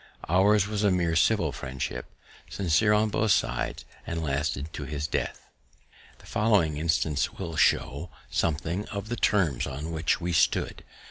Ours was a mere civil friendship, sincere on both sides, and lasted to his death. The following instance will show something of the terms on which we stood.